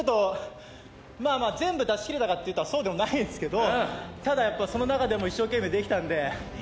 全部出し切れたかといったら、そうじゃないんですけどただ、その中でも一生懸命できたんで。